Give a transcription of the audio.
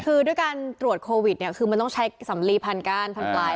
คือด้วยการตรวจโควิดเนี่ยคือมันต้องใช้สำลีพันก้านพันปลาย